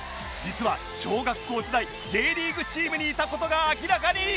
実は小学校時代 Ｊ リーグチームにいた事が明らかに！